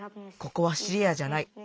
「ここはシリアじゃない。